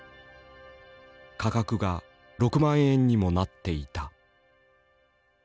価格が６万円にもなっていた。